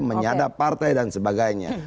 menyadap partai dan sebagainya